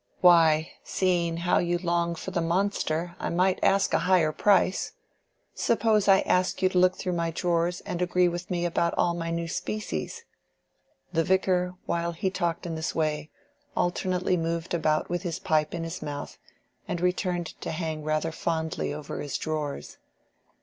"Why, seeing how you long for the monster, I might ask a higher price. Suppose I ask you to look through my drawers and agree with me about all my new species?" The Vicar, while he talked in this way, alternately moved about with his pipe in his mouth, and returned to hang rather fondly over his drawers.